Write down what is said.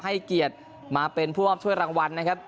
ให้เกียรติมาเป็นผู้มอบถ้วยรางวัลนะครับ